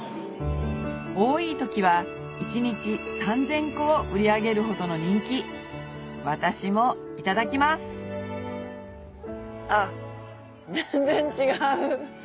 多い時は一日３０００個を売り上げるほどの人気私もいただきますあっ全然違う。